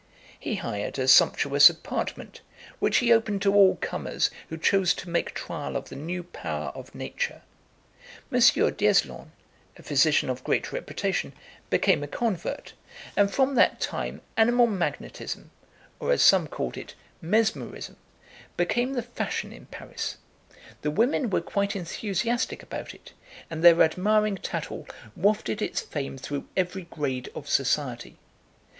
He hired a sumptuous apartment, which he opened to all comers who chose to make trial of the new power of nature. M. D'Eslon, a physician of great reputation, became a convert; and from that time, animal magnetism, or, as some called it, mesmerism, became the fashion in Paris. The women were quite enthusiastic about it, and their admiring tattle wafted its fame through every grade of society.